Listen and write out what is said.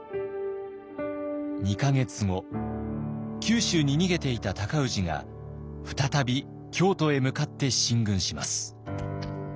２か月後九州に逃げていた尊氏が再び京都へ向かって進軍します。